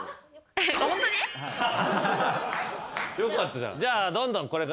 よかったじゃん。